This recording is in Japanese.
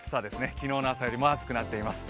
昨日の朝よりも暑くなっています。